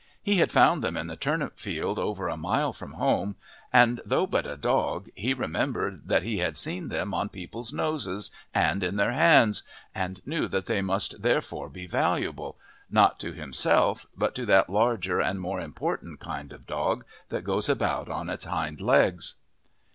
He had found them in the turnip field over a mile from home, and though but a dog he remembered that he had seen them on people's noses and in their hands, and knew that they must therefore be valuable not to himself, but to that larger and more important kind of dog that goes about on its hind legs.